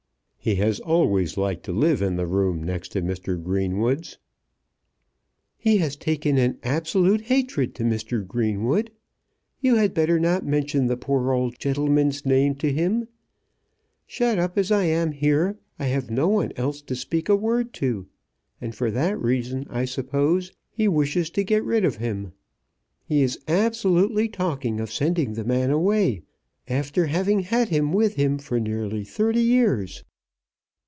"He has always liked to live in the room next to Mr. Greenwood's." "He has taken an absolute hatred to Mr. Greenwood. You had better not mention the poor old gentleman's name to him. Shut up as I am here, I have no one else to speak a word to, and for that reason, I suppose, he wishes to get rid of him. He is absolutely talking of sending the man away after having had him with him for nearly thirty years."